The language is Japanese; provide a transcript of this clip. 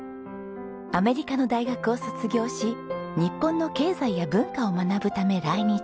アメリカの大学を卒業し日本の経済や文化を学ぶため来日。